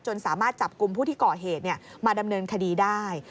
สามารถจับกลุ่มผู้ที่ก่อเหตุมาดำเนินคดีได้